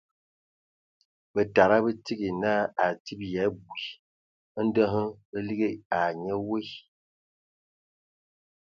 Bǝtada bə tsig naa a adzib ya abui. Ndɔ hm bə ligi ai nye we.